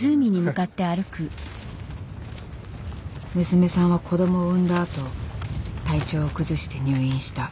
娘さんは子どもを産んだあと体調を崩して入院した。